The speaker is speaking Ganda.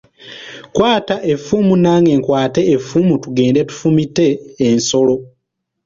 Kwata effumu nange nkwate effumu tugende tufumite ensolo.